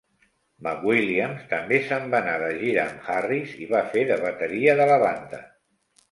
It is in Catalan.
McWilliams també se'n va anar de gira amb Harris i va fer de bateria de la banda.